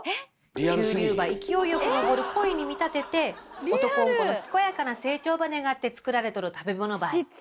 急流ば勢いよく上る鯉に見立てて男ん子の健やかな成長ば願って作られとる食べ物ばい。